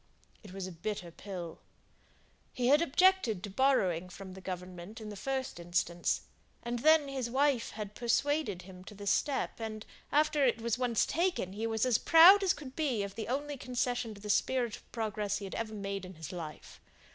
It was a bitter pill. He had objected to borrowing from Government, in the first instance; and then his wife had persuaded him to the step; and after it was once taken, he was as proud as could be of the only concession to the spirit of progress he ever made in his life.